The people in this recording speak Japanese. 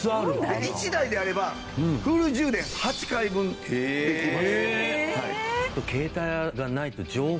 １台であればフル充電８回分できます。